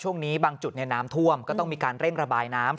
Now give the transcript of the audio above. ช่วงนี้บางจุดน้ำท่วมก็ต้องมีการเร่งระบายน้ำ